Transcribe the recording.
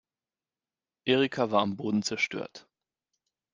Erika war am Boden zerstört.